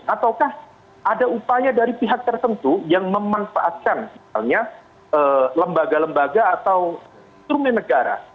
ataukah ada upaya dari pihak tertentu yang memanfaatkan misalnya lembaga lembaga atau instrumen negara